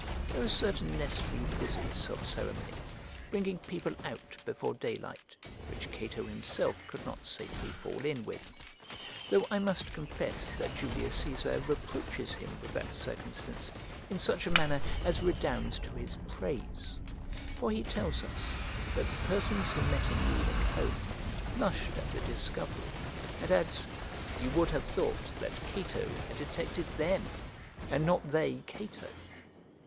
There are certain necessary visits of ceremony, bringing people out before daylight, which Cato himself could not safely fall in with; though I must confess that Julius Cæsar reproaches him with that circumstance in such a manner as redounds to his praise; for he tells us that the persons who met him reeling home blushed at the discovery, and adds, "You would have thought that Cato had detected them, and not they Cato."